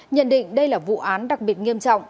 nhận định đây là vụ án đặc biệt nghiêm trọng